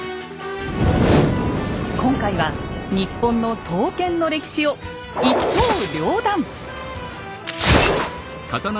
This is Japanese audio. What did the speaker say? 今回は日本の刀剣の歴史を一刀両断！